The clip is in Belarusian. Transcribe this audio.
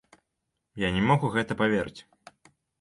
Я не мог у гэта паверыць.